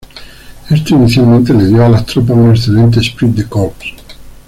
Esto inicialmente les dio a las tropas un excelente esprit de corps.